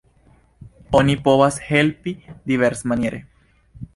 Oni povas helpi diversmaniere.